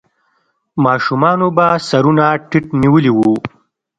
ماشومانو به سرونه ټيټ نيولې وو.